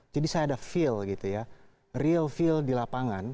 saya ada feel gitu ya real feel di lapangan